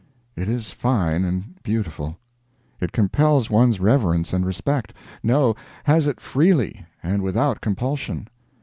It is fine and beautiful. It compels one's reverence and respect no, has it freely, and without compulsion.